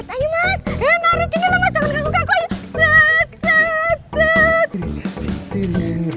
ayo mas eh narikin aja jangan ganggu ganggu